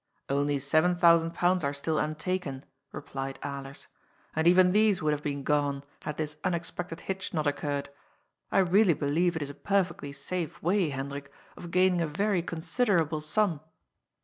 " Only seven thousand pounds are still untaken," replied 244 GOD'S POOL. Alers, ^and even these would have been gone, had thk unexpected hitch not occurred. I really believe it is a perfectly safe way, Hendrik, of gaining a very considerable sum.''